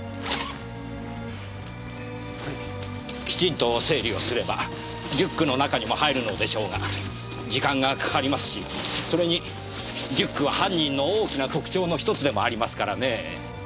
きちんと整理をすればリュックの中にも入るのでしょうが時間がかかりますしそれにリュックは犯人の大きな特徴の１つでもありますからねぇ。